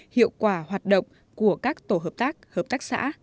hiệu quả hoạt động của các tổ hợp tác hợp tác xã